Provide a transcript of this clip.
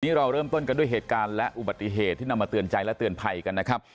เราเริ่มต้นกันด้วยเหตุการณ์และอุบัติเหตุที่นำมาเตือนใจและเตือนภัยกันนะครับ